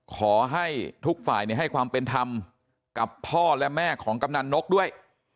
ขอให้ทุกฝ่ายให้ความเป็นธรรมกับพ่อและแม่ของกำนันนกด้วย